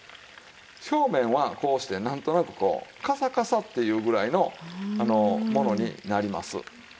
表面はこうしてなんとなくこうカサカサっていうぐらいのものになります。